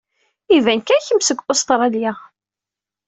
Iban kan kemm seg Ustṛalya.